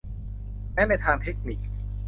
แม้ในทางเทคนิค